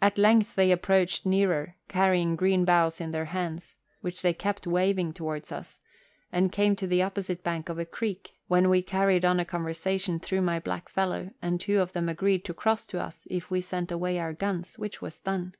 At length they approached nearer (carrying green boughs in their hands, which they kept waving towards us), and came to the opposite bank of a creek, when we carried on a conversation through my blackfellow, and two of them agreed to cross to us if we sent away our guns, which was done.